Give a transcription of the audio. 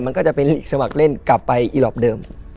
มันก็จะเป็นสมัครเล่นกลับไปอีหลอปเดิม